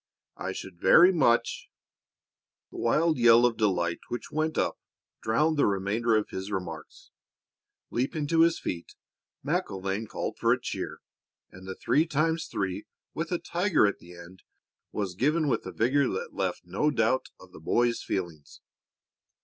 I should very much " The wild yell of delight which went up drowned the remainder of his remarks. Leaping to his feet, MacIlvaine called for a cheer, and the three times three, with a tiger at the end, was given with a vigor that left no doubt of the boys' feelings.